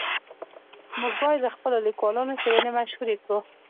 موږ باید د خپلو لیکوالانو څېړنې مشهورې کړو.